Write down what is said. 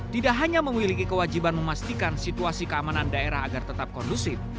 tidak hanya memiliki kewajiban memastikan situasi keamanan daerah agar tetap kondusif